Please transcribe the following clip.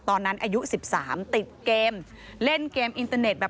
ตอนนั้นอายุ๑๓ติดเกมเล่นเกมอินเทอร์เน็ต